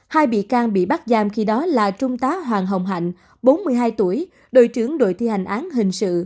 hai bị can bị bắt giam khi đó là trung tá hoàng hồng hạnh bốn mươi hai tuổi đội trưởng đội thi hành án hình sự